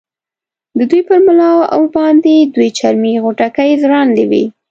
د دوی پر ملاو باندې دوې چرمي غوټکۍ ځوړندې وې.